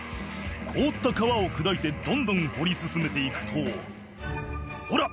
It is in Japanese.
「凍った川を砕いてどんどん掘り進めていくとほら！